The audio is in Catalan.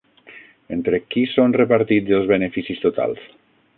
Entre qui són repartits els beneficis totals?